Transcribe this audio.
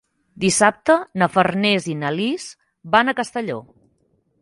Dissabte na Farners i na Lis van a Castelló.